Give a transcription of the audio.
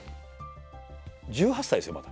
１８歳ですよまだ。